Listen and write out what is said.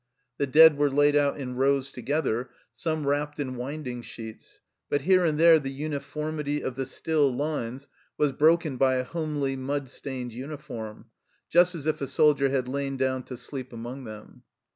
The dead were laid out in rows together, some wrapped in winding sheets ; but here and there the uni formity of the still lines was broken by a homely, mud stained uniform, just as if a soldier had lain down to sleep among them.